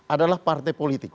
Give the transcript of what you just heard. adalah partai politik